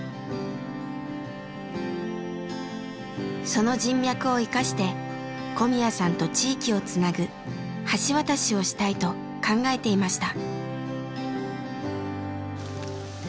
その人脈を生かして小宮さんと地域をつなぐ橋渡しをしたいと考えていました。